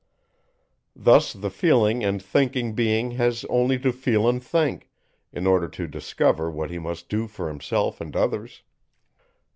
Thus the feeling and thinking being has only to feel and think, in order to discover what he must do for himself and others.